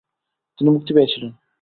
তিনি মুক্তি পেয়েছিলেন।